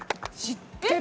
知ってる！